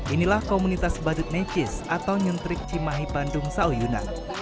inilah komunitas badut necis atau nyentrik cimahi bandung sauyuna